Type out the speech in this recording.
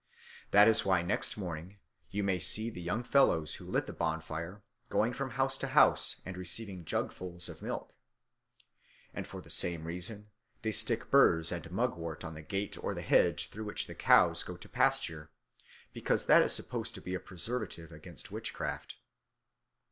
That is why next morning you may see the young fellows who lit the bonfire going from house to house and receiving jugfuls of milk. And for the same reason they stick burs and mugwort on the gate or the hedge through which the cows go to pasture, because that is supposed to be a preservative against witchcraft.